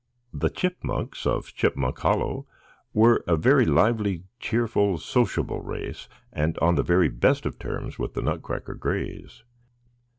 The Chipmunks of Chipmunk Hollow were a very lively, cheerful, sociable race, and on the very best of terms with the Nutcracker Grays.